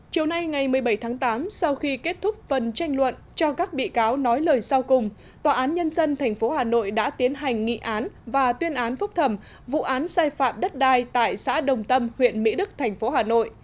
chiều nay ngày một mươi bảy tháng tám sau khi kết thúc phần tranh luận cho các bị cáo nói lời sau cùng tòa án nhân dân tp hà nội đã tiến hành nghị án và tuyên án phúc thẩm vụ án sai phạm đất đai tại xã đồng tâm huyện mỹ đức thành phố hà nội